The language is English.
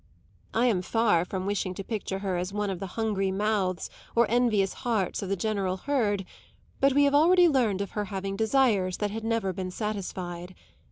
I am far from wishing to picture her as one of the hungry mouths or envious hearts of the general herd, but we have already learned of her having desires that had never been satisfied.